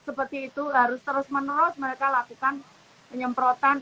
seperti itu harus terus menerus mereka lakukan penyemprotan